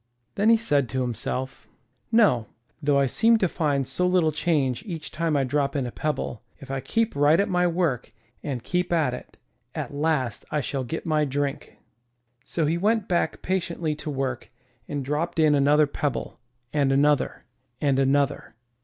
Then he said to himself: '*No, though I seem to find so little change each time I drop in a pebble, if I keep right at my work, and keep at it, and keep at it, at last I shall get my drink." So he went back patiently to work and dropped in another pebble and another and another.